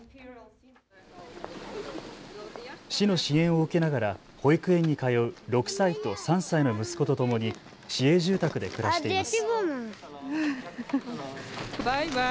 市の支援を受けながら保育園に通う６歳と３歳の息子とともに市営住宅で暮らしています。